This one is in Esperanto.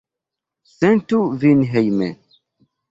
Sentu vin hejme!